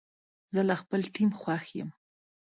زه له خپل ټیم خوښ یم.